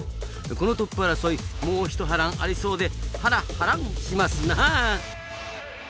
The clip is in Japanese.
このトップ争いもう一波乱ありそうでハラハランしますなあ。